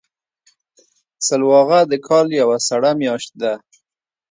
سلواغه د کال یوه سړه میاشت ده.